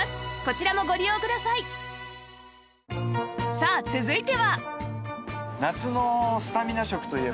さあ続いては